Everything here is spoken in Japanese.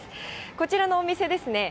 こちらのお店ですね。